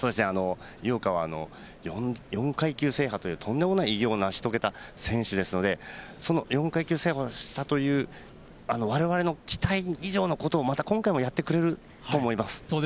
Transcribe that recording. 井岡は４階級制覇というとんでもない偉業を成し遂げた選手ですのでその４階級制覇をしたという我々の期待以上のことをまた今回もやってくれると思います。